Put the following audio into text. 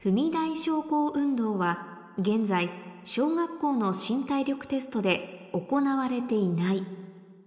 昇降運動は現在小学校の新体力テストで行われていない